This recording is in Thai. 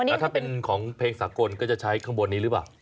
แล้วถ้าเป็นของเพลงสากลก็จะใช้ข้างบนนี้หรือเปล่า